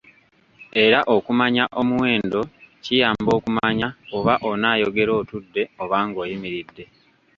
Era okumanya omuwendo kiyamba okumanya oba onaayogera otudde oba ng'oyimiride.